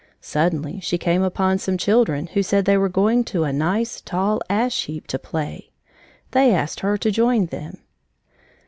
Suddenly she came upon some children who said they were going to a nice, tall ash heap to play. They asked her to join them.